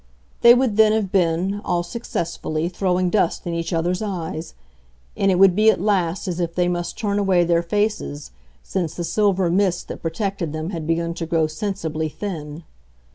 They would then have been, all successfully, throwing dust in each other's eyes; and it would be at last as if they must turn away their faces, since the silver mist that protected them had begun to grow sensibly thin.